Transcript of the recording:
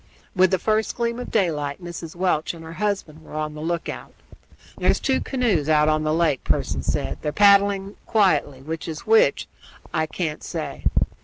With the first gleam of daylight Mrs. Welch and her husband were on the lookout. "There's two canoes out on the lake," Pearson said. "They're paddling quietly; which is which I can't say."